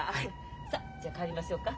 さっじゃ帰りましょうか。